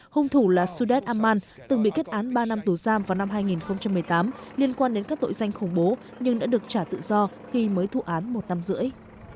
hung thủ là sudet amman từng bị kết án ba năm tù giam vào năm hai nghìn một mươi tám liên quan đến các tội danh khủng bố nhưng đã được trả tự do khi mới thủ án một năm rưỡi